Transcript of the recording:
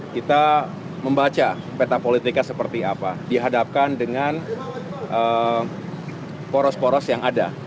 kita membaca peta politika seperti apa dihadapkan dengan poros poros yang ada